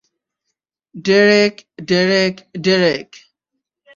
Derek, Derek, Derek.